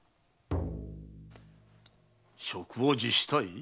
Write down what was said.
職を辞したい？